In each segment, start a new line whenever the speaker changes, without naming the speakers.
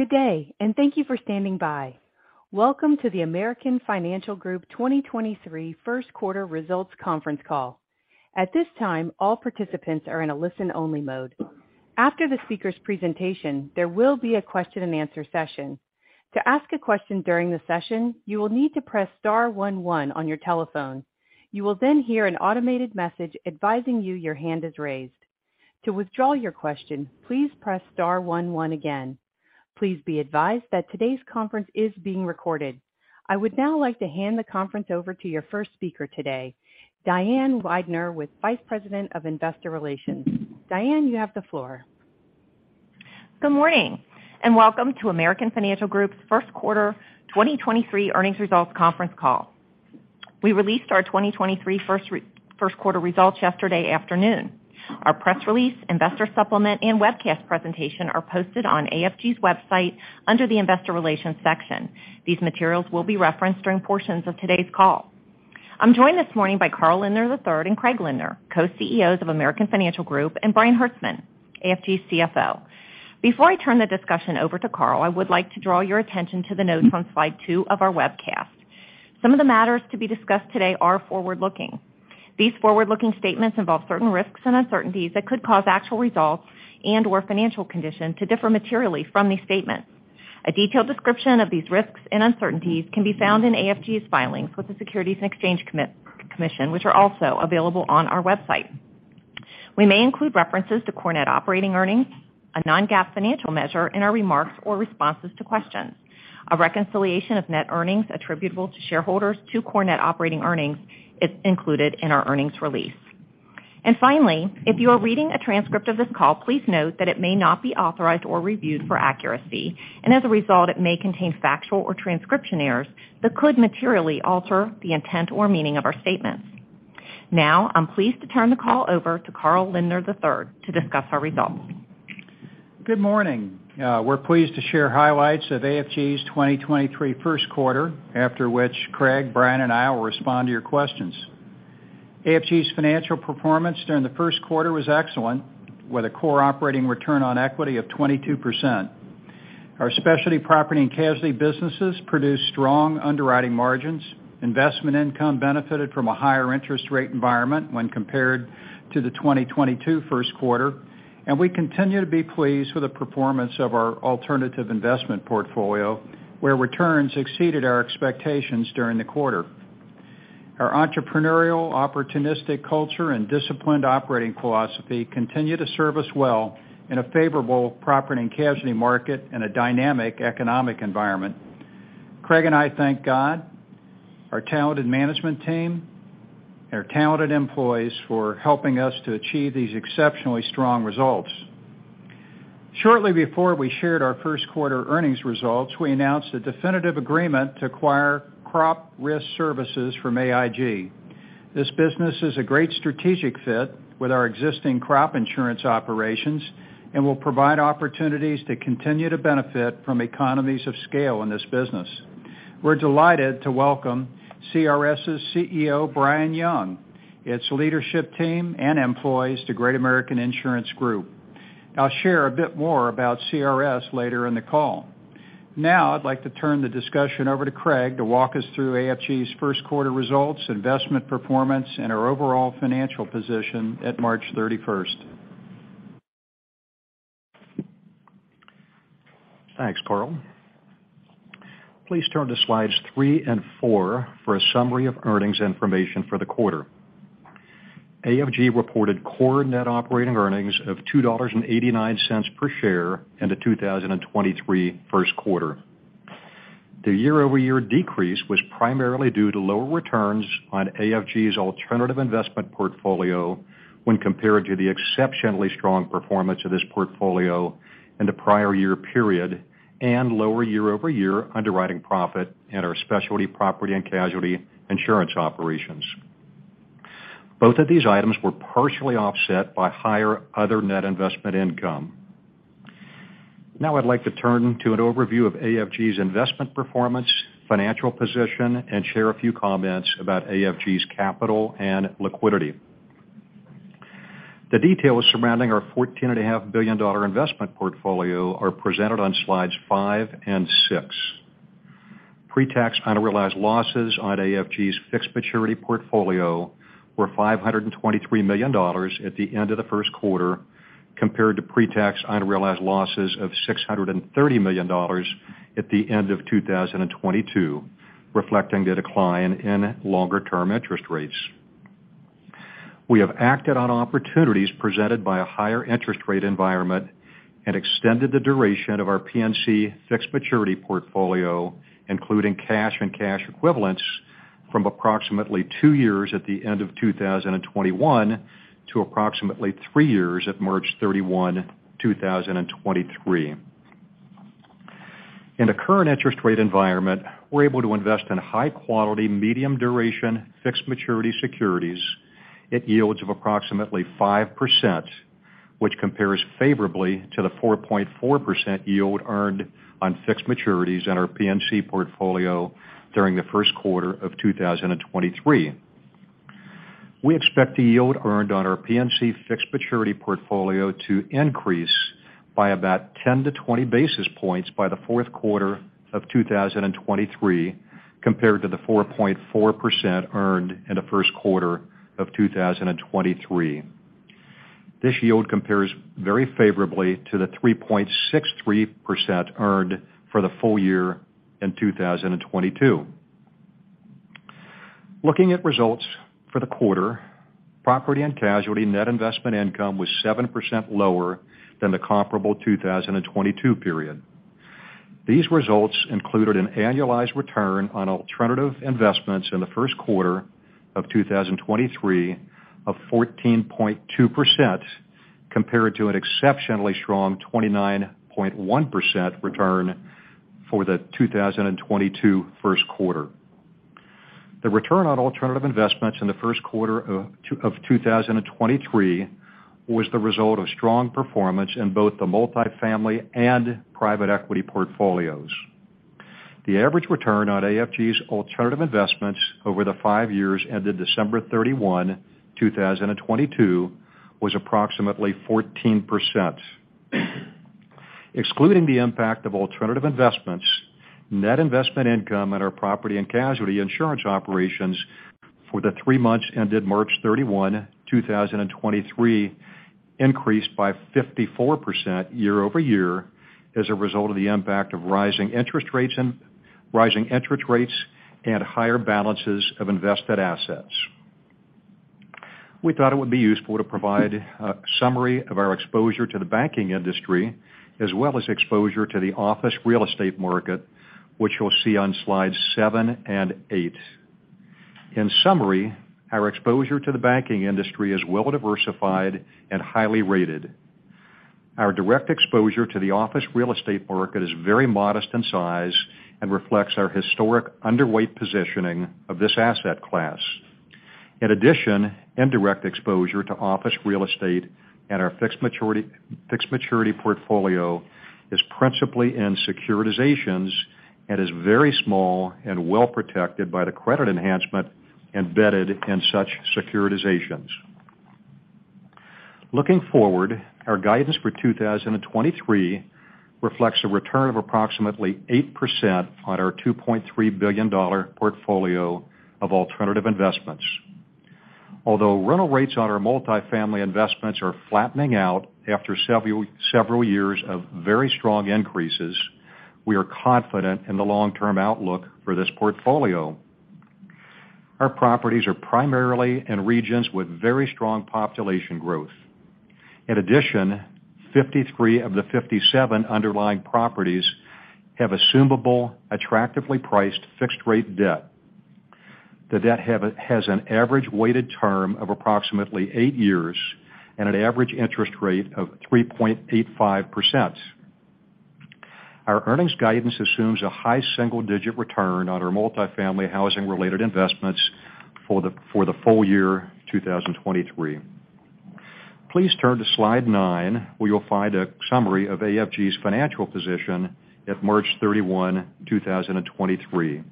Good day. Thank you for standing by. Welcome to the American Financial Group 2023 first quarter results conference call. At this time, all participants are in a listen-only mode. After the speaker's presentation, there will be a question-and-answer session. To ask a question during the session, you will need to press star one one on your telephone. You will then hear an automated message advising you your hand is raised. To withdraw your question, please press star one one again. Please be advised that today's conference is being recorded. I would now like to hand the conference over to your first speaker today, Diane Weidner, with Vice President of Investor Relations. Diane, you have the floor.
Good morning, welcome to American Financial Group's first quarter 2023 earnings results conference call. We released our 2023 first quarter results yesterday afternoon. Our press release, investor supplement, and webcast presentation are posted on AFG's website under the Investor Relations section. These materials will be referenced during portions of today's call. I'm joined this morning by Carl Lindner III and Craig Lindner, Co-CEOs of American Financial Group, and Brian Hertzman, AFG's CFO. Before I turn the discussion over to Carl, I would like to draw your attention to the notes on slide 2 of our webcast. Some of the matters to be discussed today are forward-looking. These forward-looking statements involve certain risks and uncertainties that could cause actual results and/or financial conditions to differ materially from these statements. A detailed description of these risks and uncertainties can be found in AFG's filings with the Securities and Exchange Commission, which are also available on our website. We may include references to core net operating earnings, a non-GAAP financial measure, in our remarks or responses to questions. A reconciliation of net earnings attributable to shareholders to core net operating earnings is included in our earnings release. Finally, if you are reading a transcript of this call, please note that it may not be authorized or reviewed for accuracy, and as a result, it may contain factual or transcription errors that could materially alter the intent or meaning of our statements. Now, I'm pleased to turn the call over to Carl Lindner III to discuss our results.
Good morning. We're pleased to share highlights of AFG's 2023 first quarter, after which Craig, Brian, and I will respond to your questions. AFG's financial performance during the first quarter was excellent, with a core operating return on equity of 22%. Our specialty property and casualty businesses produced strong underwriting margins. Investment income benefited from a higher interest rate environment when compared to the 2022 first quarter. We continue to be pleased with the performance of our alternative investment portfolio, where returns exceeded our expectations during the quarter. Our entrepreneurial, opportunistic culture and disciplined operating philosophy continue to serve us well in a favorable property and casualty market and a dynamic economic environment. Craig and I thank God, our talented management team, and our talented employees for helping us to achieve these exceptionally strong results. Shortly before we shared our first quarter earnings results, we announced a definitive agreement to acquire Crop Risk Services from AIG. This business is a great strategic fit with our existing crop insurance operations and will provide opportunities to continue to benefit from economies of scale in this business. We're delighted to welcome CRS's CEO, Brian Young, its leadership team and employees to Great American Insurance Group. I'll share a bit more about CRS later in the call. I'd like to turn the discussion over to Craig to walk us through AFG's first quarter results, investment performance, and our overall financial position at March 31st.
Thanks, Carl. Please turn to slides 3 and 4 for a summary of earnings information for the quarter. AFG reported core net operating earnings of $2.89 per share in the 2023 first quarter. The year-over-year decrease was primarily due to lower returns on AFG's alternative investment portfolio when compared to the exceptionally strong performance of this portfolio in the prior year period and lower year-over-year underwriting profit at our specialty property and casualty insurance operations. Both of these items were partially offset by higher other net investment income. I'd like to turn to an overview of AFG's investment performance, financial position, and share a few comments about AFG's capital and liquidity. The details surrounding our $14.5 billion investment portfolio are presented on slides 5 and 6. Pre-tax unrealized losses on AFG's fixed maturity portfolio were $523 million at the end of the first quarter, compared to pretax unrealized losses of $630 million at the end of 2022, reflecting the decline in longer-term interest rates. We have acted on opportunities presented by a higher interest rate environment and extended the duration of our PNC fixed maturity portfolio, including cash and cash equivalents, from approximately two years at the end of 2021 to approximately three years at March 31, 2023. In the current interest rate environment, we're able to invest in high-quality, medium-duration fixed maturity securities at yields of approximately 5%, which compares favorably to the 4.4% yield earned on fixed maturities in our PNC portfolio during the first quarter of 2023. We expect the yield earned on our PNC fixed maturity portfolio to increase by about 10-20 basis points by the fourth quarter of 2023, compared to the 4.4% earned in the first quarter of 2023. This yield compares very favorably to the 3.63% earned for the full year in 2022. Looking at results for the quarter, property and casualty net investment income was 7% lower than the comparable 2022 period. These results included an annualized return on alternative investments in the first quarter of 2023 of 14.2% compared to an exceptionally strong 29.1% return for the 2022 first quarter. The return on alternative investments in the first quarter of 2023 was the result of strong performance in both the multifamily and private equity portfolios. The average return on AFG's alternative investments over the five years ended December 31, 2022, was approximately 14%. Excluding the impact of alternative investments, net investment income at our property and casualty insurance operations for the three months ended March 31, 2023, increased by 54% year-over-year as a result of the impact of rising interest rates and higher balances of invested assets. We thought it would be useful to provide a summary of our exposure to the banking industry as well as exposure to the office real estate market, which you'll see on slides 7 and 8. In summary, our exposure to the banking industry is well-diversified and highly rated. Our direct exposure to the office real estate market is very modest in size and reflects our historic underweight positioning of this asset class. In addition, indirect exposure to office real estate and our fixed maturity portfolio is principally in securitizations and is very small and well protected by the credit enhancement embedded in such securitizations. Looking forward, our guidance for 2023 reflects a return of approximately 8% on our $2.3 billion portfolio of alternative investments. Although rental rates on our multifamily investments are flattening out after several years of very strong increases, we are confident in the long-term outlook for this portfolio. Our properties are primarily in regions with very strong population growth. In addition, 53 of the 57 underlying properties have assumable, attractively priced fixed rate debt. The debt has an average weighted term of approximately 8 years and an average interest rate of 3.85%. Our earnings guidance assumes a high single-digit return on our multifamily housing related investments for the full year 2023. Please turn to slide 9 where you'll find a summary of AFG's financial position at March 31, 2023.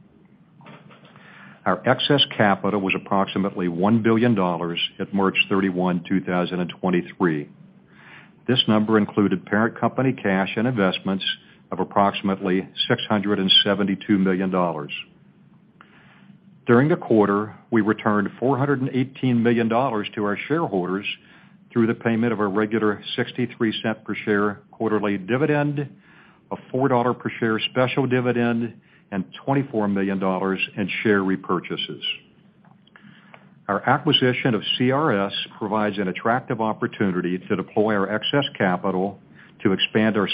Our excess capital was approximately $1 billion at March 31, 2023. This number included parent company cash and investments of approximately $672 million. During the quarter, we returned $418 million to our shareholders through the payment of a regular $0.63 per share quarterly dividend, a $4 per share special dividend, and $24 million in share repurchases. Our acquisition of CRS provides an attractive opportunity to deploy our excess capital to expand our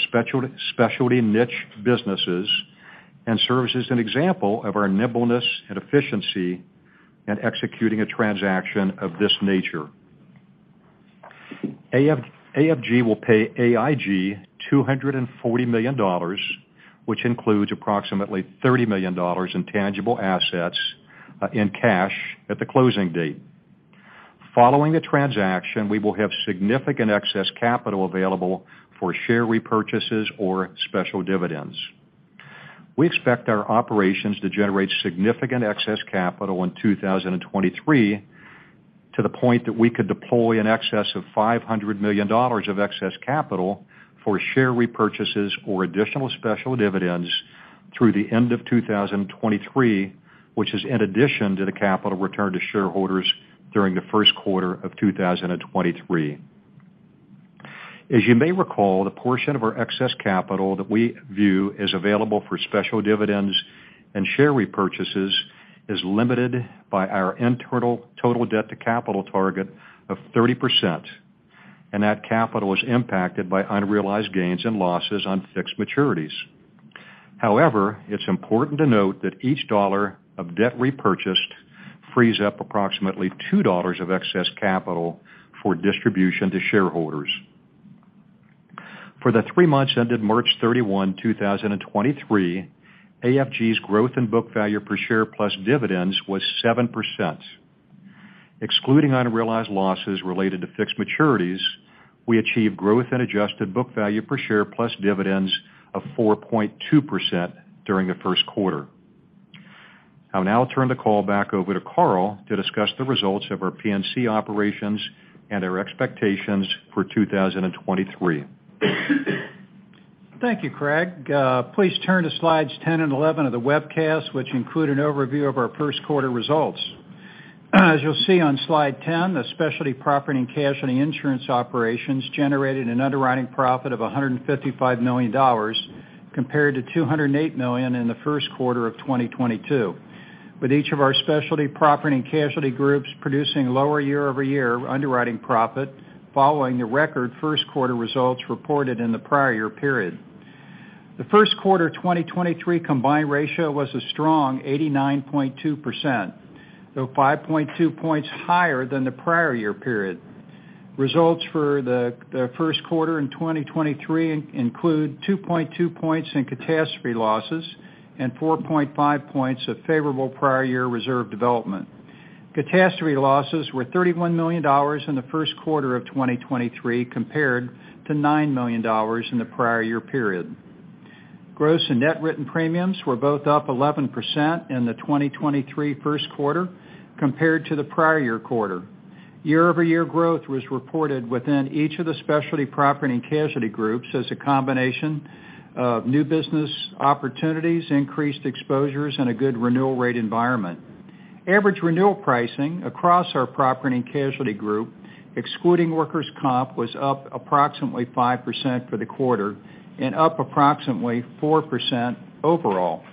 specialty niche businesses and serves as an example of our nimbleness and efficiency in executing a transaction of this nature. AFG will pay AIG $240 million, which includes approximately $30 million in tangible assets, in cash at the closing date. Following the transaction, we will have significant excess capital available for share repurchases or special dividends. We expect our operations to generate significant excess capital in 2023, to the point that we could deploy in excess of $500 million of excess capital for share repurchases or additional special dividends through the end of 2023, which is in addition to the capital returned to shareholders during the first quarter of 2023. As you may recall, the portion of our excess capital that we view is available for special dividends and share repurchases is limited by our internal total debt to capital target of 30%. That capital is impacted by unrealized gains and losses on fixed maturities. However, it's important to note that each dollar of debt repurchased frees up approximately $2 of excess capital for distribution to shareholders. For the three months ended March 31, 2023, AFG's growth in book value per share plus dividends was 7%. Excluding unrealized losses related to fixed maturities. We achieved growth in adjusted book value per share plus dividends of 4.2% during the 1st quarter. I'll now turn the call back over to Carl to discuss the results of our PNC operations and our expectations for 2023.
Thank you, Craig. Please turn to slides 10 and 11 of the webcast, which include an overview of our first quarter results. As you'll see on slide 10, the specialty property and casualty insurance operations generated an underwriting profit of $155 million compared to $208 million in the first quarter of 2022, with each of our specialty property and casualty groups producing lower year-over-year underwriting profit following the record first quarter results reported in the prior year period. The first quarter of 2023 combined ratio was a strong 89.2%, though 5.2 points higher than the prior year period. Results for the first quarter in 2023 include 2.2 points in catastrophe losses and 4.5 points of favorable prior year reserve development. Catastrophe losses were $31 million in the first quarter of 2023 compared to $9 million in the prior year period. Gross and net written premiums were both up 11% in the 2023 first quarter compared to the prior year quarter. Year-over-year growth was reported within each of the specialty property and casualty groups as a combination of new business opportunities, increased exposures, and a good renewal rate environment. Average renewal pricing across our property and casualty group, excluding workers' comp, was up approximately 5% for the quarter and up approximately 4% overall.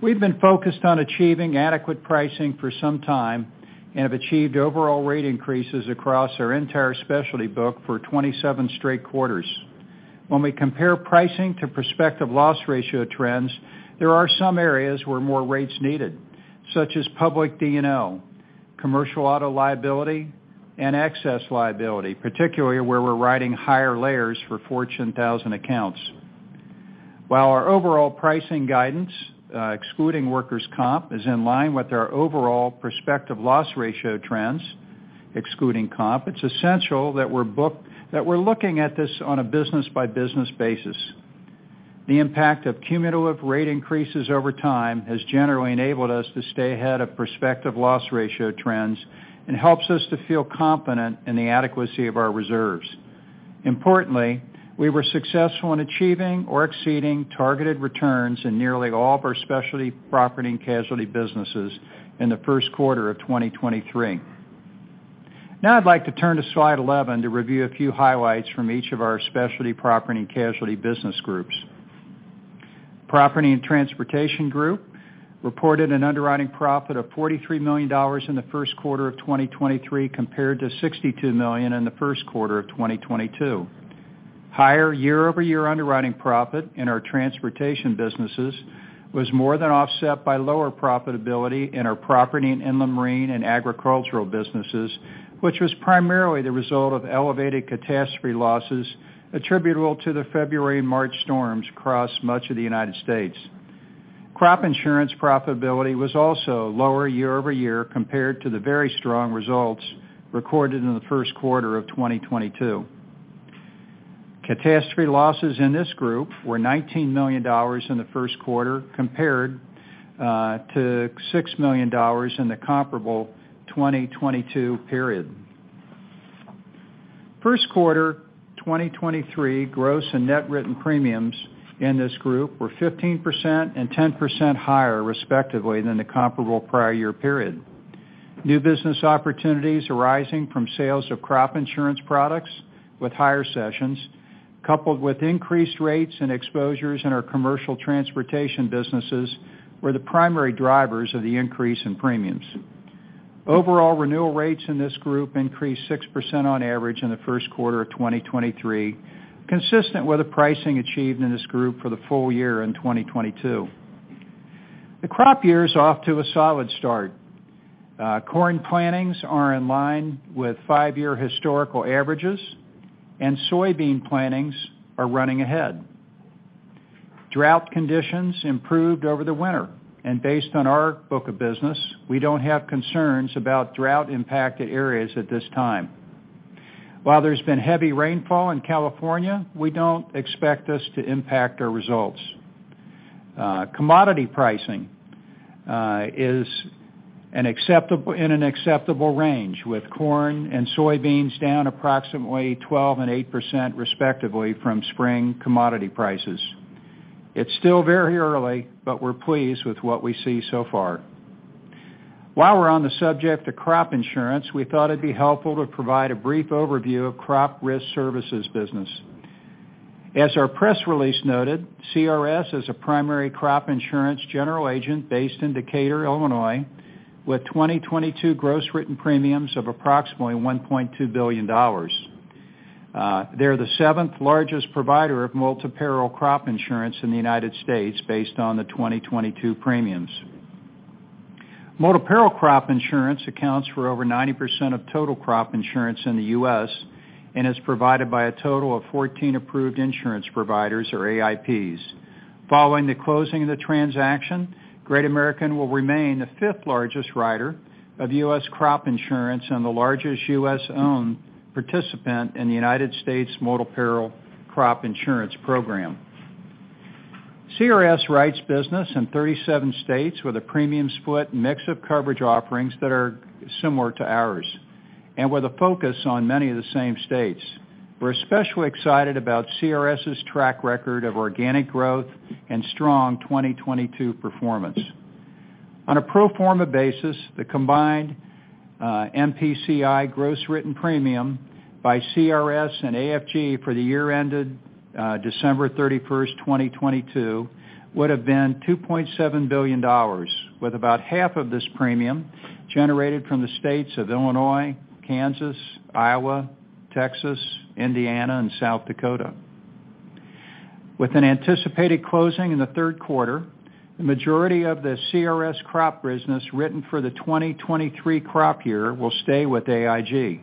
We've been focused on achieving adequate pricing for some time and have achieved overall rate increases across our entire specialty book for 27 straight quarters. When we compare pricing to prospective loss ratio trends, there are some areas where more rates are needed, such as public D&O, commercial auto liability, and excess liability, particularly where we're riding higher layers for Fortune 1000 accounts. While our overall pricing guidance, excluding workers' comp, is in line with our overall prospective loss ratio trends, excluding comp, it's essential that we're looking at this on a business-by-business basis. The impact of cumulative rate increases over time has generally enabled us to stay ahead of prospective loss ratio trends and helps us to feel confident in the adequacy of our reserves. Importantly, we were successful in achieving or exceeding targeted returns in nearly all of our specialty property and casualty businesses in the first quarter of 2023. Now I'd like to turn to slide 11 to review a few highlights from each of our specialty property and casualty business groups. Property and Transportation Group reported an underwriting profit of $43 million in the first quarter of 2023 compared to $62 million in the first quarter of 2022. Higher year-over-year underwriting profit in our transportation businesses was more than offset by lower profitability in our property and Inland Marine and agricultural businesses, which was primarily the result of elevated catastrophe losses attributable to the February and March storms across much of the United States. Crop insurance profitability was also lower year-over-year compared to the very strong results recorded in the first quarter of 2022. Catastrophe losses in this group were $19 million in the first quarter compared to $6 million in the comparable 2022 period. First quarter 2023 gross and net written premiums in this group were 15% and 10% higher, respectively, than the comparable prior year period. New business opportunities arising from sales of crop insurance products with higher sessions, coupled with increased rates and exposures in our commercial transportation businesses, were the primary drivers of the increase in premiums. Overall renewal rates in this group increased 6% on average in the first quarter of 2023, consistent with the pricing achieved in this group for the full year in 2022. The crop year is off to a solid start. Corn plantings are in line with 5-year historical averages, and soybean plantings are running ahead. Drought conditions improved over the winter, and based on our book of business, we don't have concerns about drought-impacted areas at this time. While there's been heavy rainfall in California, we don't expect this to impact our results. Commodity pricing is in an acceptable range, with corn and soybeans down approximately 12% and 8% respectively from spring commodity prices. It's still very early, but we're pleased with what we see so far. While we're on the subject of crop insurance, we thought it'd be helpful to provide a brief overview of Crop Risk Services business. As our press release noted, CRS is a primary crop insurance general agent based in Decatur, Illinois, with 2022 gross written premiums of approximately $1.2 billion. They're the seventh-largest provider of multi-peril crop insurance in the United States based on the 2022 premiums. Multi-peril crop insurance accounts for over 90% of total crop insurance in the U.S. and is provided by a total of 14 approved insurance providers, or AIPs. Following the closing of the transaction, Great American will remain the fifth largest writer of U.S. crop insurance and the largest U.S.-owned participant in the United States Multi-Peril Crop Insurance Program. CRS writes business in 37 states with a premium split mix of coverage offerings that are similar to ours and with a focus on many of the same states. We're especially excited about CRS's track record of organic growth and strong 2022 performance. On a pro forma basis, the combined MPCI gross written premium by CRS and AFG for the year ended December 31, 2022, would have been $2.7 billion, with about half of this premium generated from the states of Illinois, Kansas, Iowa, Texas, Indiana, and South Dakota. With an anticipated closing in the third quarter, the majority of the CRS crop business written for the 2023 crop year will stay with AIG.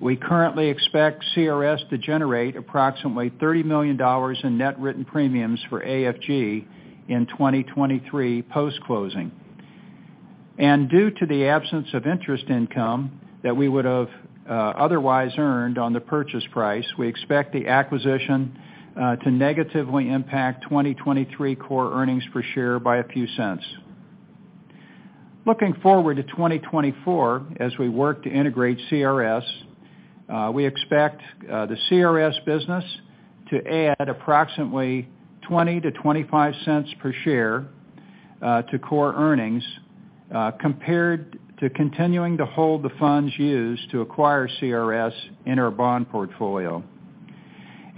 We currently expect CRS to generate approximately $30 million in net written premiums for AFG in 2023 post-closing. Due to the absence of interest income that we would have otherwise earned on the purchase price, we expect the acquisition to negatively impact 2023 core earnings per share by a few cents. Looking forward to 2024, as we work to integrate CRS, we expect the CRS business to add approximately $0.20-$0.25 per share to core earnings, compared to continuing to hold the funds used to acquire CRS in our bond portfolio,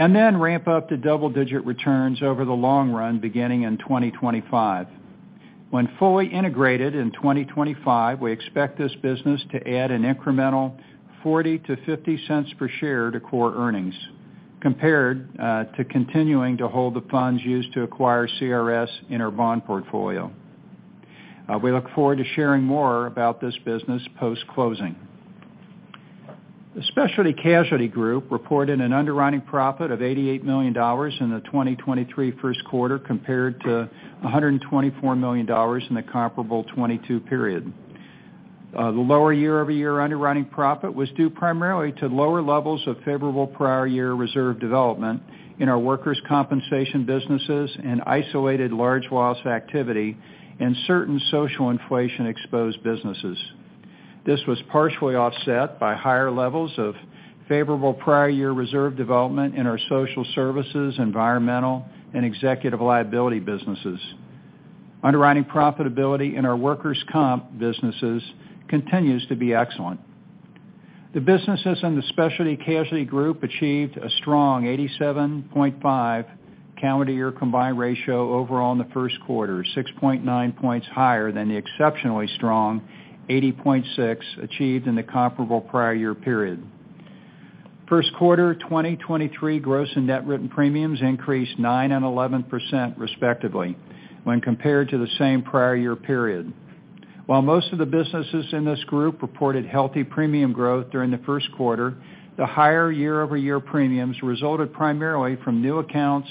and then ramp up to double-digit returns over the long run beginning in 2025. When fully integrated in 2025, we expect this business to add an incremental $0.40-$0.50 per share to core earnings, compared to continuing to hold the funds used to acquire CRS in our bond portfolio. We look forward to sharing more about this business post-closing. The Specialty Casualty Group reported an underwriting profit of $88 million in the 2023 first quarter compared to $124 million in the comparable 2022 period. The lower year-over-year underwriting profit was due primarily to lower levels of favorable prior year reserve development in our workers' compensation businesses and isolated large loss activity in certain social inflation exposed businesses. This was partially offset by higher levels of favorable prior year reserve development in our social services, environmental, and executive liability businesses. Underwriting profitability in our workers' comp businesses continues to be excellent. The businesses in the Specialty Casualty Group achieved a strong 87.5 calendar year combined ratio overall in the first quarter, 6.9 points higher than the exceptionally strong 80.6 achieved in the comparable prior year period. First quarter 2023 gross and net written premiums increased 9% and 11% respectively when compared to the same prior year period. While most of the businesses in this group reported healthy premium growth during the first quarter, the higher year-over-year premiums resulted primarily from new accounts,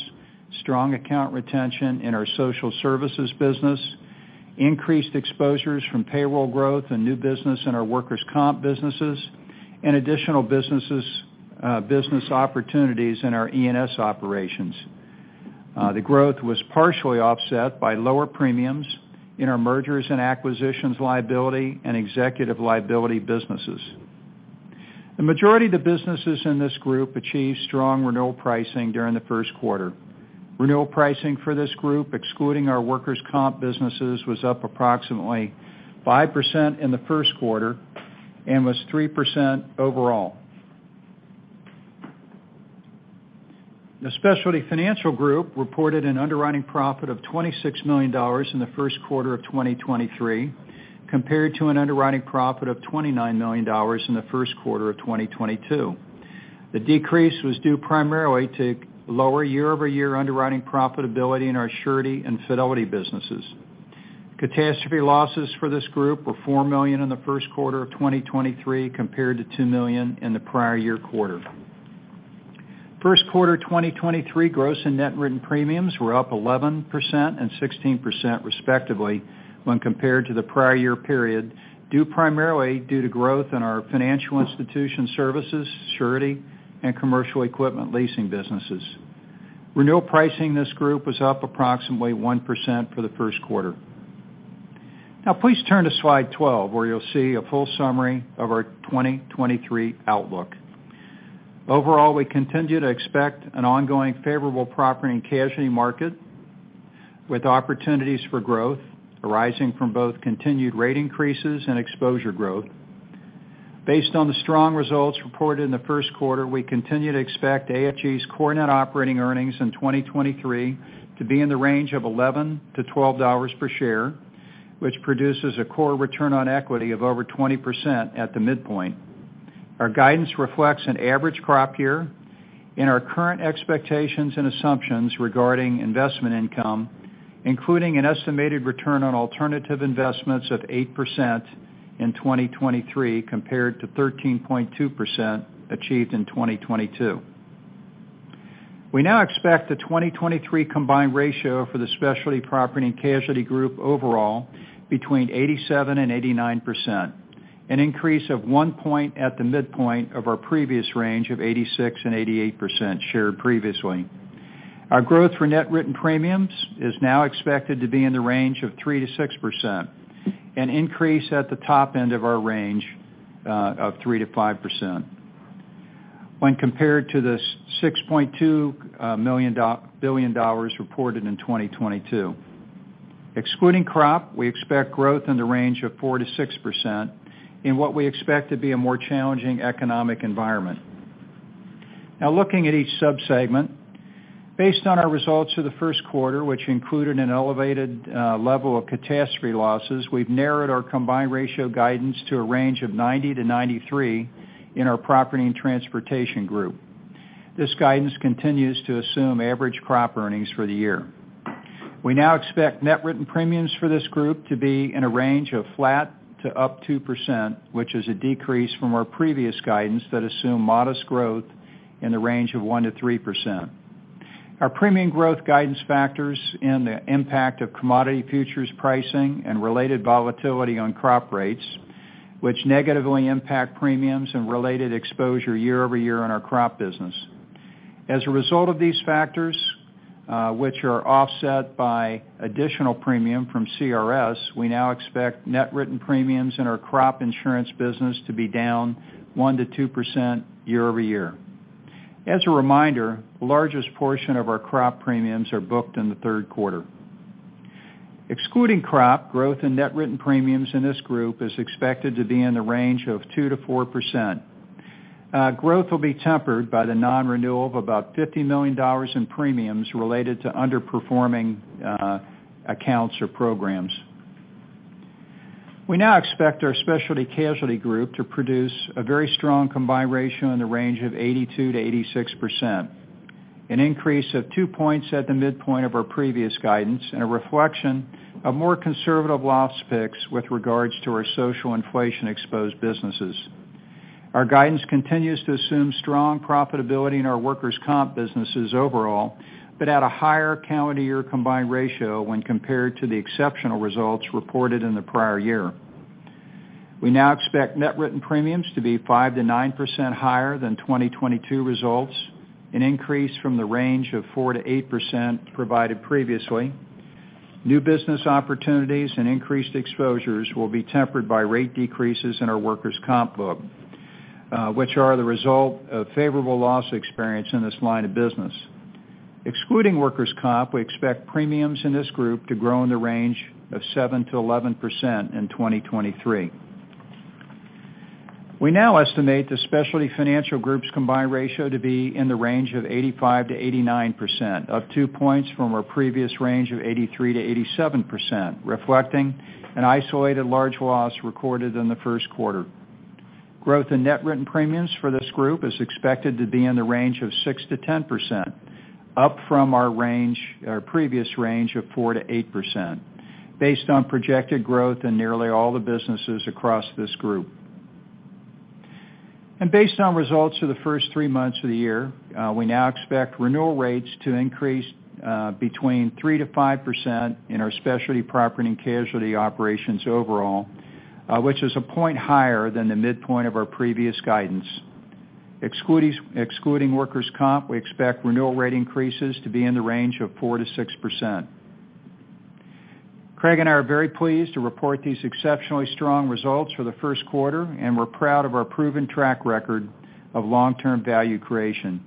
strong account retention in our social services business, increased exposures from payroll growth and new business in our workers' comp businesses, and additional business opportunities in our E&S operations. The growth was partially offset by lower premiums in our mergers and acquisitions liability and executive liability businesses. The majority of the businesses in this group achieved strong renewal pricing during the first quarter. Renewal pricing for this group, excluding our workers' comp businesses, was up approximately 5% in the first quarter and was 3% overall. The Specialty Financial Group reported an underwriting profit of $26 million in the first quarter of 2023, compared to an underwriting profit of $29 million in the first quarter of 2022. The decrease was due primarily to lower year-over-year underwriting profitability in our surety and fidelity businesses. Catastrophe losses for this group were $4 million in the first quarter of 2023 compared to $2 million in the prior year quarter. First quarter 2023 gross and net written premiums were up 11% and 16% respectively when compared to the prior year period, due primarily to growth in our financial institution services, surety, and commercial equipment leasing businesses. Renewal pricing in this group was up approximately 1% for the first quarter. Please turn to slide 12, where you'll see a full summary of our 2023 outlook. Overall, we continue to expect an ongoing favorable property and casualty market with opportunities for growth arising from both continued rate increases and exposure growth. Based on the strong results reported in the first quarter, we continue to expect AFG's core net operating earnings in 2023 to be in the range of $11-$12 per share, which produces a core return on equity of over 20% at the midpoint. Our guidance reflects an average crop year, and our current expectations and assumptions regarding investment income, including an estimated return on alternative investments of 8% in 2023 compared to 13.2% achieved in 2022. We now expect the 2023 combined ratio for the Specialty Property and Casualty group overall between 87%-89%, an increase of 1 point at the midpoint of our previous range of 86%-88% shared previously. Our growth for net written premiums is now expected to be in the range of 3%-6%, an increase at the top end of our range of 3%-5% when compared to the $6.2 billion reported in 2022. Excluding crop, we expect growth in the range of 4%-6% in what we expect to be a more challenging economic environment. Looking at each sub-segment. Based on our results for the first quarter, which included an elevated level of catastrophe losses, we've narrowed our combined ratio guidance to a range of 90%-93% in our Property and Transportation. This guidance continues to assume average crop earnings for the year. We now expect net written premiums for this group to be in a range of flat to up 2%, which is a decrease from our previous guidance that assume modest growth in the range of 1%-3%. Our premium growth guidance factors and the impact of commodity futures pricing and related volatility on crop rates, which negatively impact premiums and related exposure year-over-year in our crop business. As a result of these factors, which are offset by additional premium from CRS, we now expect net written premiums in our crop insurance business to be down 1%-2% year-over-year. As a reminder, the largest portion of our crop premiums are booked in the 3rd quarter. Excluding crop, growth in net written premiums in this group is expected to be in the range of 2%-4%. Growth will be tempered by the non-renewal of about $50 million in premiums related to underperforming accounts or programs. We now expect our Specialty Casualty group to produce a very strong combined ratio in the range of 82%-86%, an increase of 2 points at the midpoint of our previous guidance and a reflection of more conservative loss picks with regards to our social inflation exposed businesses. Our guidance continues to assume strong profitability in our workers' comp businesses overall, but at a higher calendar year combined ratio when compared to the exceptional results reported in the prior year. We now expect net written premiums to be 5%-9% higher than 2022 results, an increase from the range of 4%-8% provided previously. New business opportunities and increased exposures will be tempered by rate decreases in our workers' comp book, which are the result of favorable loss experience in this line of business. Excluding workers' comp, we expect premiums in this group to grow in the range of 7%-11% in 2023. We now estimate the Specialty Financial Group's combined ratio to be in the range of 85%-89%, up 2 points from our previous range of 83%-87%, reflecting an isolated large loss recorded in the first quarter. Growth in net written premiums for this group is expected to be in the range of 6%-10%, up from our previous range of 4%-8% based on projected growth in nearly all the businesses across this group. Based on results for the first 3 months of the year, we now expect renewal rates to increase between 3%-5% in our Specialty Property and Casualty operations overall, which is 1 point higher than the midpoint of our previous guidance. Excluding workers' comp, we expect renewal rate increases to be in the range of 4%-6%. Craig and I are very pleased to report these exceptionally strong results for the first quarter, and we're proud of our proven track record of long-term value creation.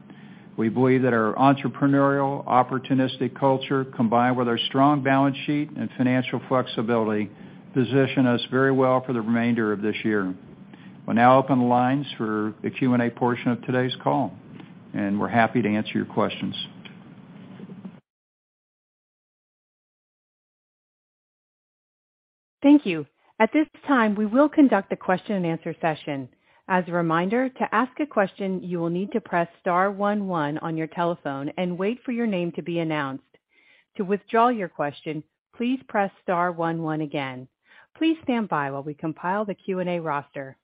We believe that our entrepreneurial, opportunistic culture, combined with our strong balance sheet and financial flexibility, position us very well for the remainder of this year. We'll now open the lines for the Q&A portion of today's call, and we're happy to answer your questions.
Thank you. At this time, we will conduct a question-and-answer session. As a reminder, to ask a question, you will need to press star one one on your telephone and wait for your name to be announced. To withdraw your question, please press star one one again. Please stand by while we compile the Q&A roster.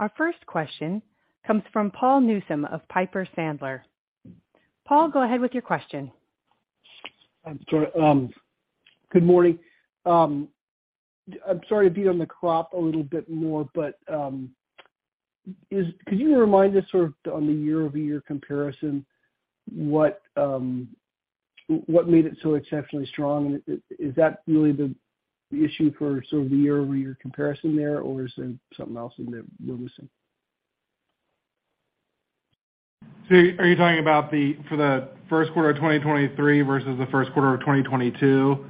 Our first question comes from Paul Newsome of Piper Sandler. Paul, go ahead with your question.
I'm sorry. Good morning. I'm sorry to beat on the crop a little bit more, but could you remind us sort of on the year-over-year comparison, what made it so exceptionally strong? Is that really the issue for sort of the year-over-year comparison there, or is there something else in there we're missing?
Are you talking about for the first quarter of 2023 versus the first quarter of 2022?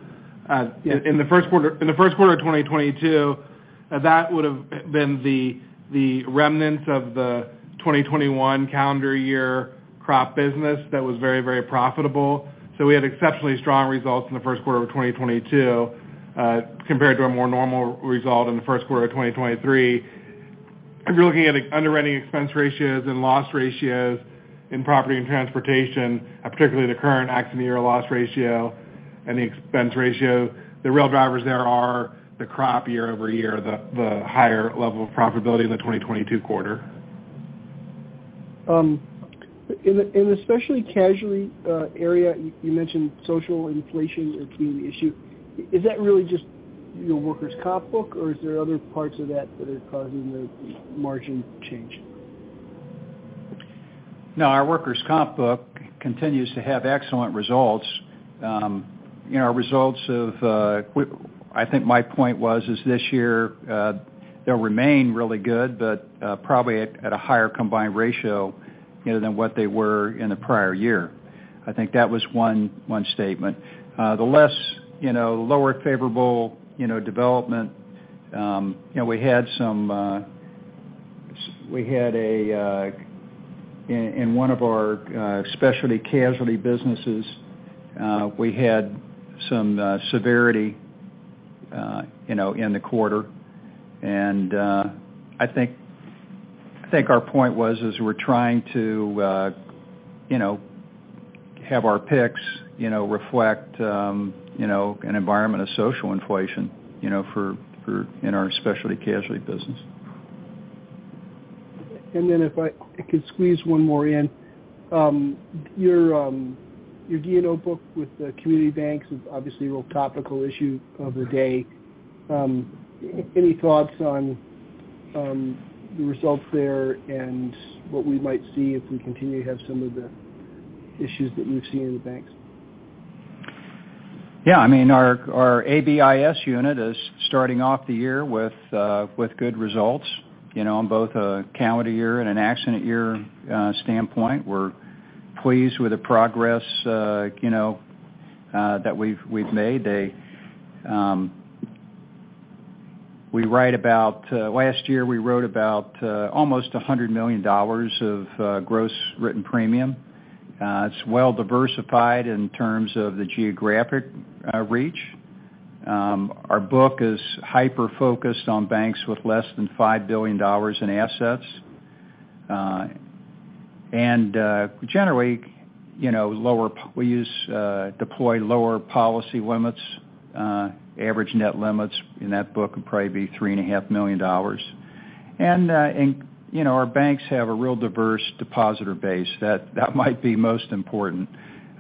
Yes.
In the first quarter of 2022, that would've been the remnants of the 2021 calendar year crop business that was very, very profitable. We had exceptionally strong results in the first quarter of 2022, compared to a more normal result in the first quarter of 2023. If you're looking at underwriting expense ratios and loss ratios in Property and Transportation, particularly the current accident year loss ratio and the expense ratio, the real drivers there are the crop year-over-year, the higher level of profitability in the 2022 quarter.
In Specialty Casualty area, you mentioned social inflation is a key issue. Is that really just your workers' comp book, or is there other parts of that that are causing the margin change?
No, our workers' comp book continues to have excellent results. You know, our results of I think my point was, is this year, they'll remain really good, but probably at a higher combined ratio, you know, than what they were in the prior year. I think that was one statement. The less, you know, lower favorable, you know, development, you know, we had some, we had in one of our Specialty Casualty businesses, we had some severity, you know, in the quarter. I think our point was is we're trying to, you know, have our picks, you know, reflect, you know, an environment of social inflation, you know, for in our Specialty Casualty business.
If I could squeeze one more in. Your D&O book with the community banks is obviously a real topical issue of the day. Any thoughts on the results there and what we might see if we continue to have some of the issues that we've seen in the banks?
Yeah. I mean, our ABAIS unit is starting off the year with good results, you know, on both a calendar year and an accident year standpoint. We're pleased with the progress, you know, that we've made. Last year, we wrote about almost $100 million of gross written premium. It's well diversified in terms of the geographic reach. Our book is hyper-focused on banks with less than $5 billion in assets. Generally, you know, we use deploy lower policy limits. Average net limits in that book would probably be $3 and a half million. Our banks have a real diverse depositor base. That might be most important.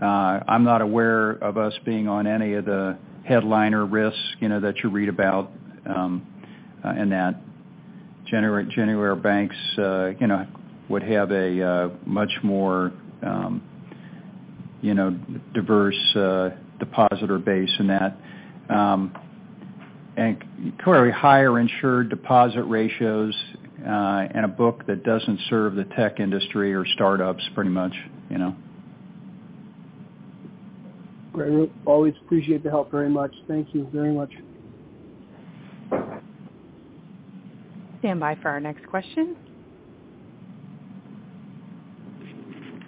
I'm not aware of us being on any of the headliner risks, you know, that you read about in that. Generally, our banks, you know, would have a much more, you know, diverse depositor base in that. Clearly higher insured deposit ratios, and a book that doesn't serve the tech industry or startups pretty much, you know.
Great. Well, always appreciate the help very much. Thank you very much.
Stand by for our next question.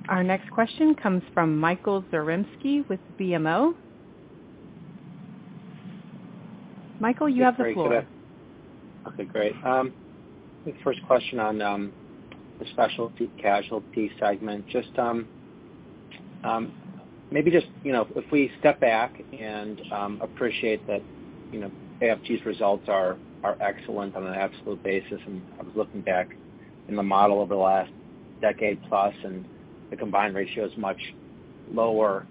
Our next question comes from Michael Zaremski with BMO. Michael, you have the floor.
Just great, good. Okay, great. The first question on the Specialty Casualty segment. Just maybe, you know, if we step back and appreciate that, you know, AFG's results are excellent on an absolute basis. I was looking back in the model over the last decade plus, and the combined ratio is much lower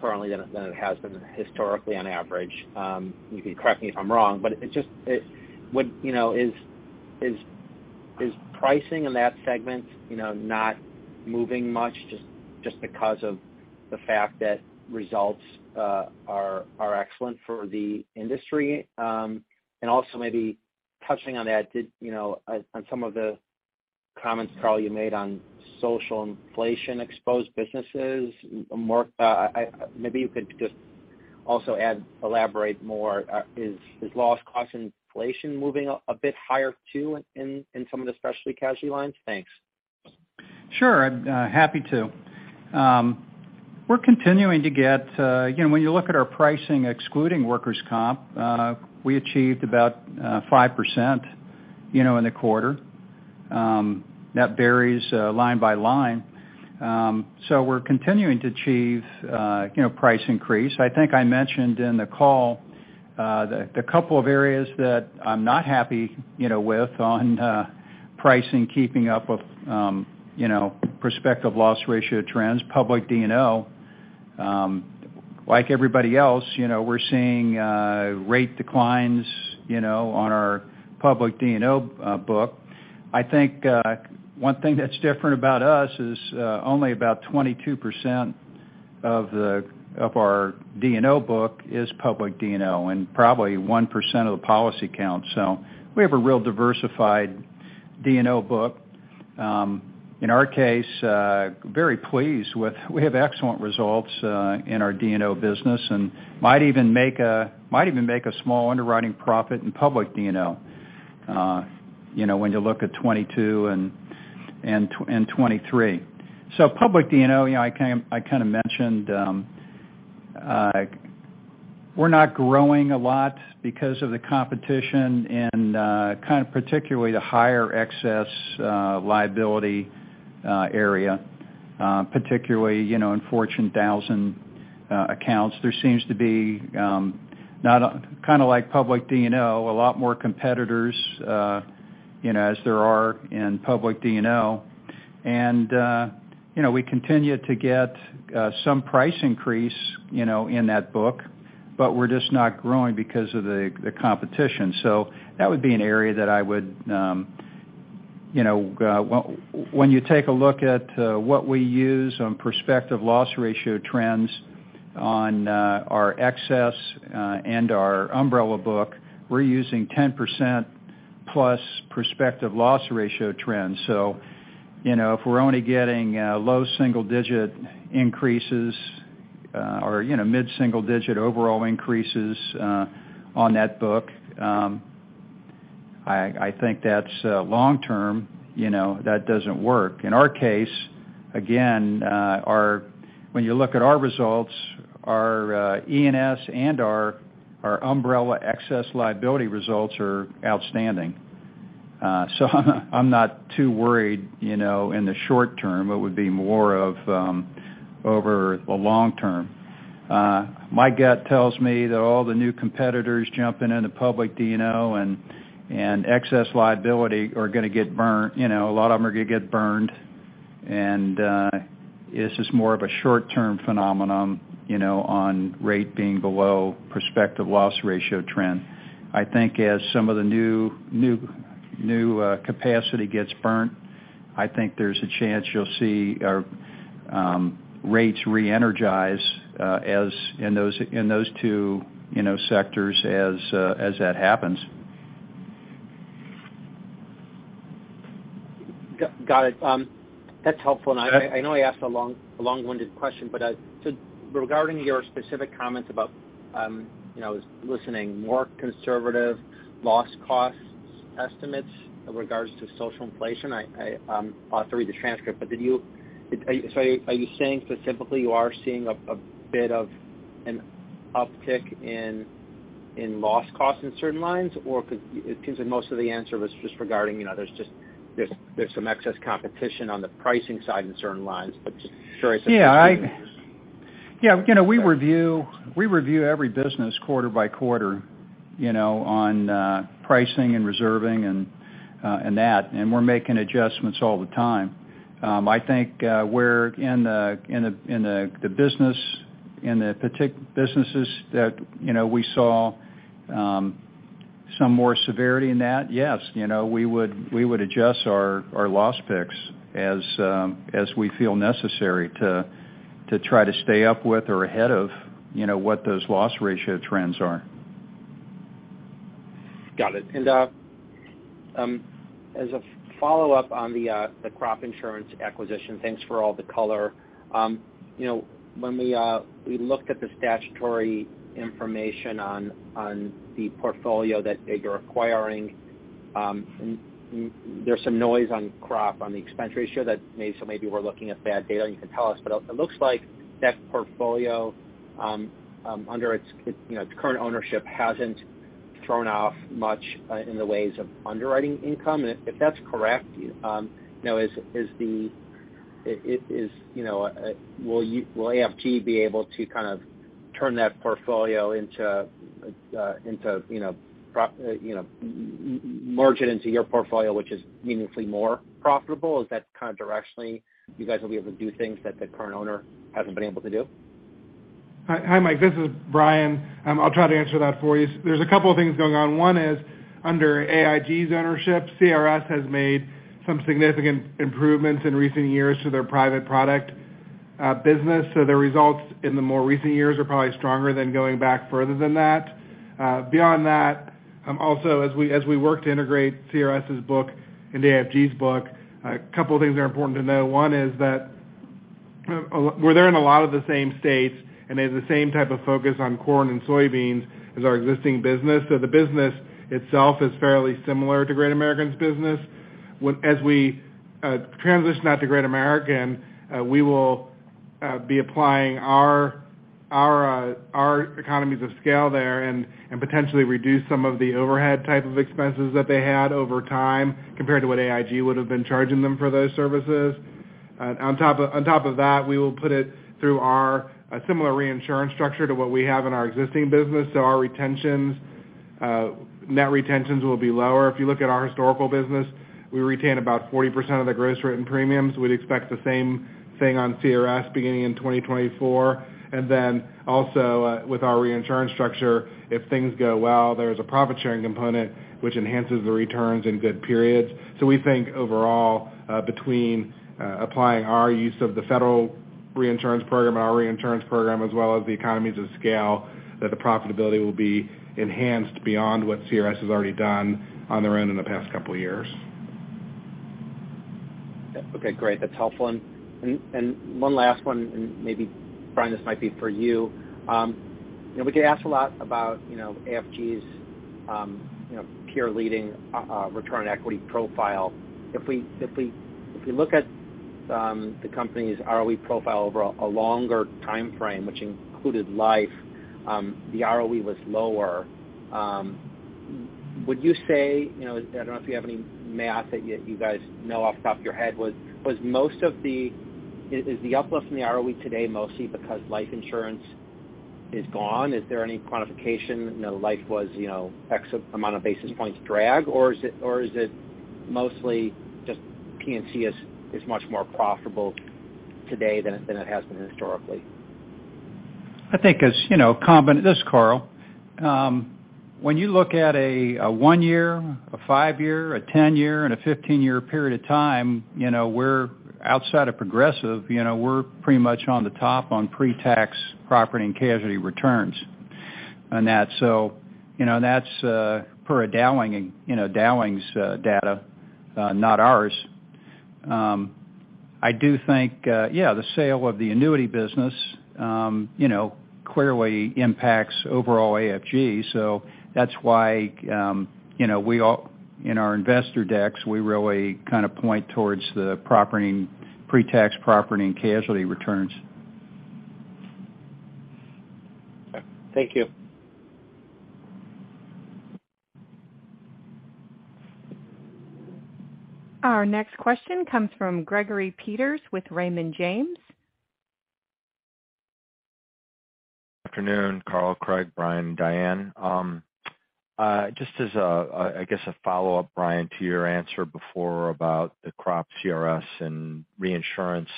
currently than it has been historically on average. You can correct me if I'm wrong, but what, you know, is pricing in that segment, you know, not moving much just because of the fact that results are excellent for the industry? Also maybe touching on that, did, you know, on some of the comments, Carl, you made on social inflation exposed businesses, more? Maybe you could just also add, elaborate more. Is loss cost inflation moving a bit higher too in some of the Specialty Casualty lines? Thanks.
Sure, happy to. We're continuing to get, you know, when you look at our pricing excluding workers' comp, we achieved about 5%, you know, in the quarter. That varies, line by line. We're continuing to achieve, you know, price increase. I think I mentioned in the call, the couple of areas that I'm not happy, you know, with on pricing keeping up with, you know, prospective loss ratio trends. Public D&O, like everybody else, you know, we're seeing rate declines, you know, on our public D&O book. I think one thing that's different about us is only about 22% of our D&O book is public D&O, and probably 1% of the policy count. We have a real diversified D&O book. In our case, very pleased with we have excellent results in our D&O business and might even make a small underwriting profit in public D&O, you know, when you look at 2022 and 2023. Public D&O, you know, I kind of mentioned We're not growing a lot because of the competition and kind of particularly the higher excess liability area, particularly, you know, in Fortune 1000 accounts. There seems to be not kinda like public D&O, a lot more competitors, you know, as there are in public D&O. You know, we continue to get some price increase, you know, in that book, but we're just not growing because of the competition. That would be an area that I would, you know, when you take a look at what we use on prospective loss ratio trends on our excess and our umbrella book, we're using 10% plus prospective loss ratio trends. You know, if we're only getting low single digit increases or, you know, mid-single digit overall increases on that book, I think that's long term, you know, that doesn't work. In our case, again, when you look at our results, our E&S and our umbrella excess liability results are outstanding. I'm not too worried, you know, in the short term, it would be more of over the long term. My gut tells me that all the new competitors jumping in the public D&O and excess liability are gonna get burnt. You know, a lot of them are gonna get burned. It's just more of a short term phenomenon, you know, on rate being below prospective loss ratio trend. I think as some of the new capacity gets burnt, I think there's a chance you'll see our rates re-energize as in those, in those two, you know, sectors as that happens.
Got it. That's helpful.
Yeah.
I know I asked a long-winded question, but regarding your specific comments about, you know, I was listening, more conservative loss costs estimates in regards to social inflation. I ought to read the transcript, but are you saying specifically you are seeing a bit of an uptick in loss costs in certain lines, or it seems that most of the answer was just regarding, you know, there's some excess competition on the pricing side in certain lines. Just curious.
Yeah.
If you can-
You know, we review every business quarter by quarter, you know, on pricing and reserving and that, and we're making adjustments all the time. I think, we're in the businesses that, you know, we saw some more severity in that. You know, we would adjust our loss picks as we feel necessary to try to stay up with or ahead of, you know, what those loss ratio trends are.
Got it. As a follow-up on the crop insurance acquisition, thanks for all the color. You know, when we looked at the statutory information on the portfolio that you're acquiring, there's some noise on crop on the expense ratio maybe we're looking at bad data and you can tell us. It looks like that portfolio, under its, you know, its current ownership hasn't thrown off much in the ways of underwriting income. If that's correct, you know, will AFG be able to kind of turn that portfolio into your portfolio, which is meaningfully more profitable? Is that kind of directionally you guys will be able to do things that the current owner hasn't been able to do?
Hi, Mike, this is Brian. I'll try to answer that for you. There's a couple of things going on. One is, under AIG's ownership, CRS has made some significant improvements in recent years to their private products business. Their results in the more recent years are probably stronger than going back further than that. Beyond that, as we work to integrate CRS's book into AFG's book, a couple of things are important to know. One is that we're there in a lot of the same states. They have the same type of focus on corn and soybeans as our existing business. The business itself is fairly similar to Great American's business. As we transition that to Great American, we will be applying our economies of scale there and potentially reduce some of the overhead type of expenses that they had over time compared to what AIG would have been charging them for those services. On top of that, we will put it through our similar reinsurance structure to what we have in our existing business. Our retentions, net retentions will be lower. If you look at our historical business, we retain about 40% of the gross written premiums. We'd expect the same thing on CRS beginning in 2024. Also, with our reinsurance structure, if things go well, there's a profit-sharing component which enhances the returns in good periods. We think overall, between applying our use of the federal reinsurance program and our reinsurance program as well as the economies of scale, that the profitability will be enhanced beyond what CRS has already done on their own in the past couple of years.
Okay, great. That's helpful. One last one, and maybe Brian, this might be for you. You know, we get asked a lot about, you know, AFG's, you know, peer leading return on equity profile. If we look at the company's ROE profile over a longer timeframe, which included life, the ROE was lower. Would you say, I don't know if you have any math that you guys know off the top of your head. Was most of the uplift in the ROE today mostly because life insurance is gone? Is there any quantification? You know, life was, you know, X amount of basis points drag, or is it mostly just PNC is much more profitable today than it has been historically?
I think as, you know, this is Carl. When you look at a 1 year, a 5 year, a 10 year, and a 15 year period of time, you know, we're outside of Progressive, you know, we're pretty much on the top on pretax property and casualty returns on that. you know, that's per a Dowling, you know, Dowling's data, not ours. I do think, yeah, the sale of the annuity business, you know, clearly impacts overall AFG. that's why, you know, in our investor decks, we really kind of point towards the pretax property and casualty returns.
Thank you.
Our next question comes from Gregory Peters with Raymond James.
Afternoon, Carl, Craig, Brian, Diane. Just as a, I guess, a follow-up, Brian, to your answer before about the crop CRS and reinsurance.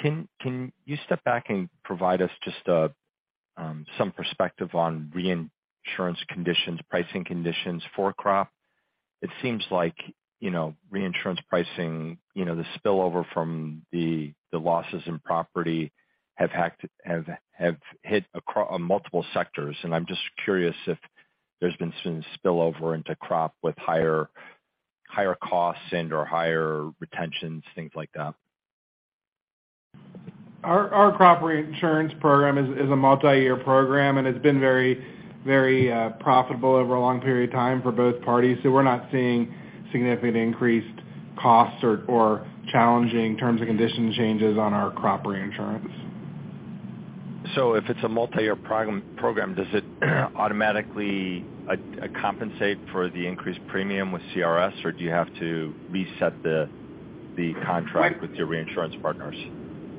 Can you step back and provide us just a some perspective on reinsurance conditions, pricing conditions for crop? It seems like, you know, reinsurance pricing, you know, the spillover from the losses in property have hit on multiple sectors, and I'm just curious if there's been some spillover into crop with higher costs and/or higher retentions, things like that.
Our crop reinsurance program is a multiyear program, and it's been very profitable over a long period of time for both parties. We're not seeing significant increased costs or challenging terms and condition changes on our crop reinsurance.
If it's a multiyear program, does it automatically compensate for the increased premium with CRS, or do you have to reset the contract with your reinsurance partners?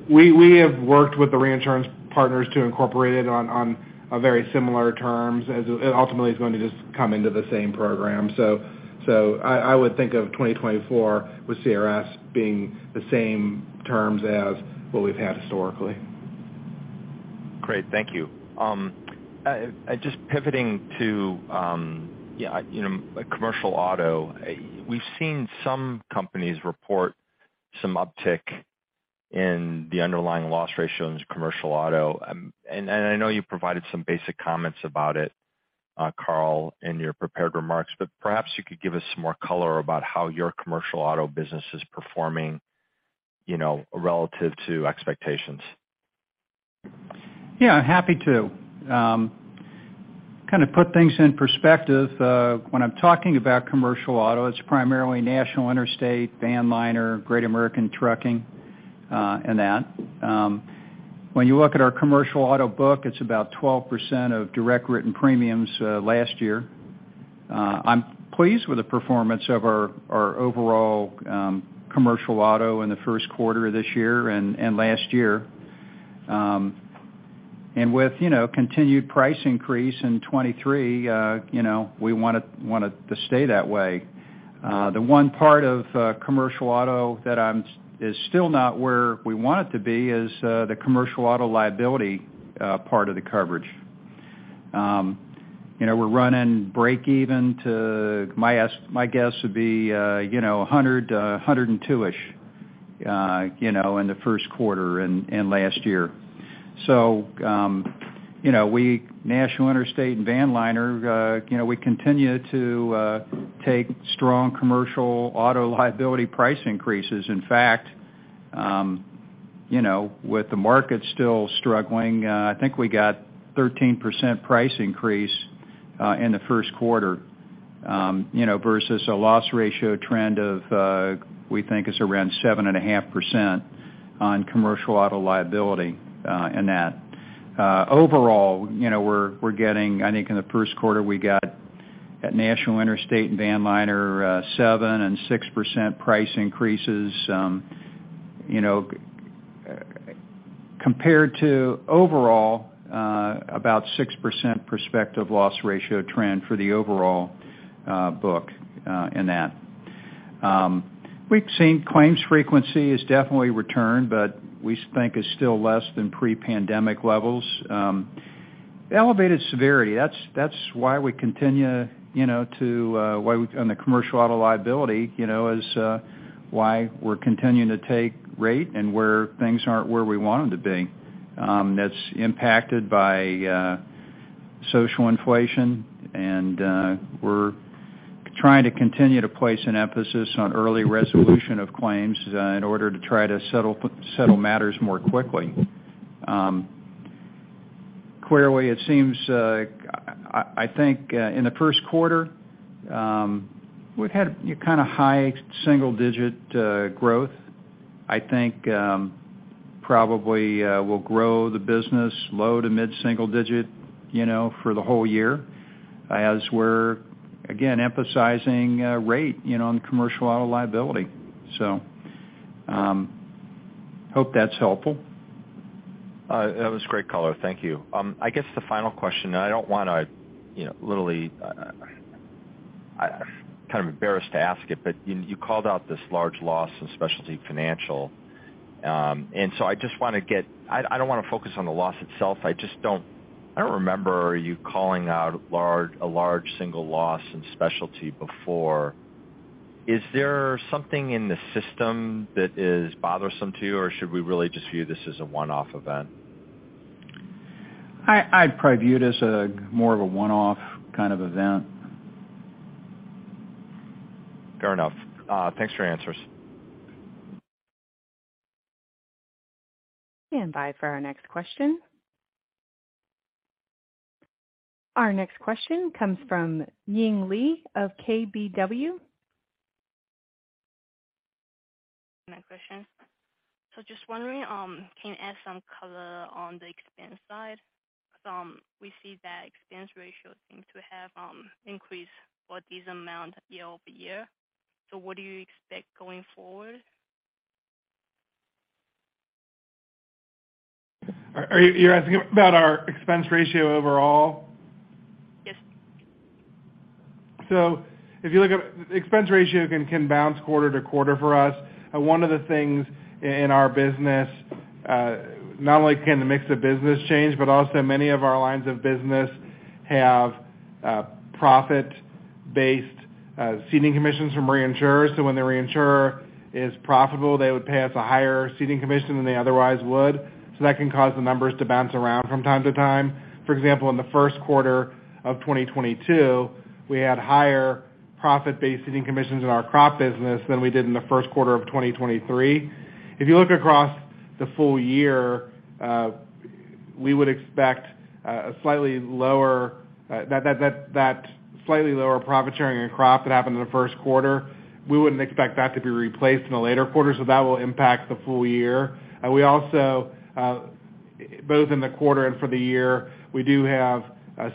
We have worked with the reinsurance partners to incorporate it on very similar terms as ultimately, it's going to just come into the same program. I would think of 2024 with CRS being the same terms as what we've had historically.
Great. Thank you. Just pivoting to, you know, commercial auto. We've seen some companies report some uptick in the underlying loss ratio in commercial auto. I know you provided some basic comments about it, Carl, in your prepared remarks, but perhaps you could give us some more color about how your commercial auto business is performing, you know, relative to expectations.
Yeah, happy to. Kind of put things in perspective, when I'm talking about commercial auto, it's primarily National Interstate, Vanliner, or Great American Trucking, and that. When you look at our commercial auto book, it's about 12% of direct written premiums last year. I'm pleased with the performance of our overall commercial auto in the first quarter this year and last year. With, you know, continued price increase in 2023, you know, we want it to stay that way. The one part of commercial auto that is still not where we want it to be is the commercial auto liability part of the coverage. k even to my guess would be 100-102-ish in the first quarter and last year. National Interstate and Vanliner, we continue to take strong commercial auto liability price increases. In fact, with the market still struggling, I think we got 13% price increase in the first quarter versus a loss ratio trend of we think is around 7.5% on commercial auto liability in that Overall, you know, we're getting I think in the first quarter, we got at National Interstate and Vanliner are 7% and 6% price increases, you know, compared to overall, about 6% prospective loss ratio trend for the overall book in that. We've seen claims frequency has definitely returned, but we think it's still less than pre-pandemic levels. Elevated severity, that's why we continue, you know, to why we on the commercial auto liability, you know, is why we're continuing to take rate and where things aren't where we want them to be. That's impacted by social inflation and we're trying to continue to place an emphasis on early resolution of claims in order to try to settle matters more quickly. Clearly, it seems, I think, in the first quarter, we've had kind of high single-digit growth. I think, probably, we'll grow the business low to mid-single digit, you know, for the whole year as we're, again, emphasizing rate, you know, on commercial auto liability. Hope that's helpful.
That was a great color. Thank you. I guess the final question, I don't wanna, you know, literally, I'm kind of embarrassed to ask it, but you called out this large loss in Specialty Financial. I don't wanna focus on the loss itself. I don't remember you calling out a large single loss in specialty before. Is there something in the system that is bothersome to you, or should we really just view this as a one-off event?
I'd probably view it as a more of a one-off kind of event.
Fair enough. Thanks for your answers.
Stand by for our next question. Our next question comes from Meyer Shields of KBW.
My question. Just wondering, can you add some color on the expense side? We see that expense ratio seems to have increased for this amount year-over-year. What do you expect going forward?
Are you asking about our expense ratio overall?
Yes.
If you look at. Expense ratio can bounce quarter to quarter for us. One of the things in our business, not only can the mix of business change, but also many of our lines of business have profit-based ceding commissions from reinsurers. When the reinsurer is profitable, they would pay us a higher ceding commission than they otherwise would. That can cause the numbers to bounce around from time to time. For example, in the first quarter of 2022, we had higher profit-based ceding commissions in our crop business than we did in the first quarter of 2023. If you look across the full year, we would expect a slightly lower, that slightly lower profit sharing in crop that happened in the first quarter. We wouldn't expect that to be replaced in a later quarter, so that will impact the full year. We also, both in the quarter and for the year, we do have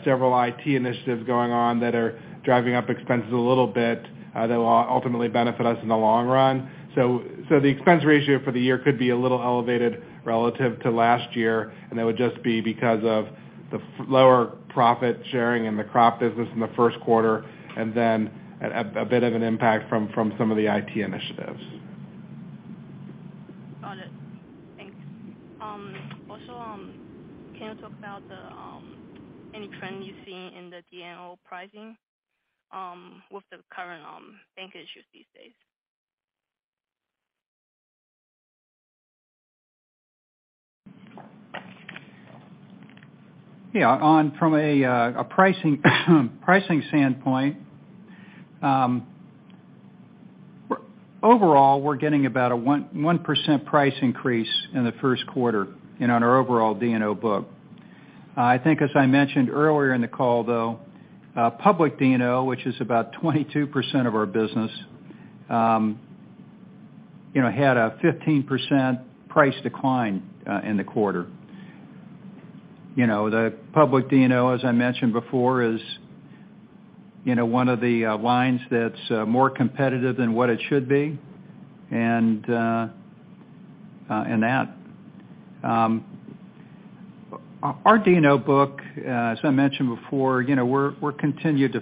several IT initiatives going on that are driving up expenses a little bit that will ultimately benefit us in the long run. The expense ratio for the year could be a little elevated relative to last year, and that would just be because of the lower profit sharing in the crop business in the first quarter and then a bit of an impact from some of the IT initiatives.
Got it. Thanks. Also, can you talk about the any trend you're seeing in the D&O pricing with the current bank issues these days?
Yeah. On from a pricing standpoint, overall, we're getting about a 1% price increase in the first quarter in on our overall D&O book. I think as I mentioned earlier in the call, though, public D&O, which is about 22% of our business, you know, had a 15% price decline in the quarter. You know, the public D&O, as I mentioned before, is, you know, one of the lines that's more competitive than what it should be. Our D&O book, as I mentioned before, you know, we're continued to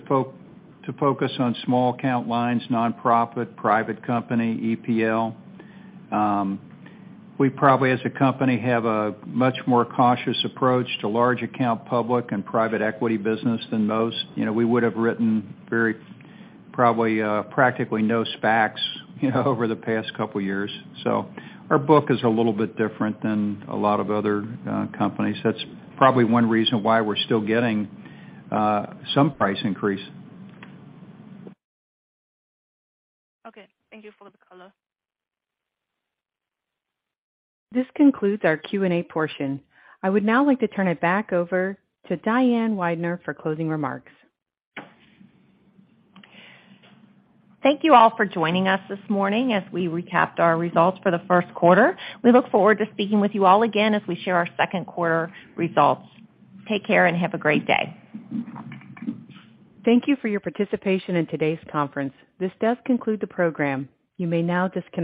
focus on small account lines, nonprofit, private company, EPL. We probably, as a company, have a much more cautious approach to large account public and private equity business than most. You know, we would have written very probably, practically no SPACs, you know, over the past couple years. Our book is a little bit different than a lot of other companies. That's probably one reason why we're still getting some price increase.
Okay. Thank you for the color.
This concludes our Q&A portion. I would now like to turn it back over to Diane Weidner for closing remarks.
Thank you all for joining us this morning as we recapped our results for the first quarter. We look forward to speaking with you all again as we share our second quarter results. Take care and have a great day.
Thank you for your participation in today's conference. This does conclude the program. You may now disconnect.